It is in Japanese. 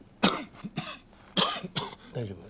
大丈夫？